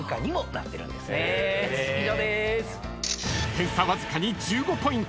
［点差わずかに１５ポイント］